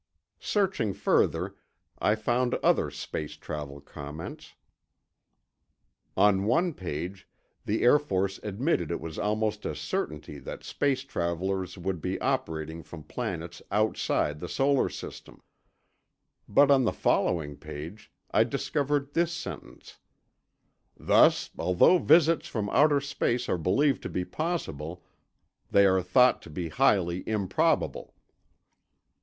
Searching further, I found other space travel comments. On one page, the Air Force admitted it was almost a certainty that space travelers would be operating from planets outside the solar system. But on the following page, I discovered this sentence: "Thus, although visits from outer space are believed to be possible, they are thought to be highly improbable."